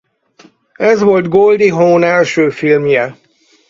Ez volt Goldie Hawn első filmje.